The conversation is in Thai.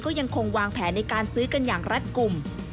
ก็ยังคงวางแผนในการซื้อกันอย่างรัฐกลุ่ม